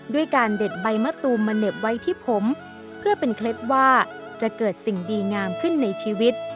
ด้วยการเด็ดใบมะตูมมาเหน็บไว้ที่ผมเพื่อเป็นเคล็ดว่าจะเกิดสิ่งดีงามขึ้นในชีวิต